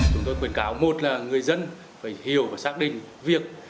chúng tôi khuyến cáo một là người dân phải hiểu và xác định việc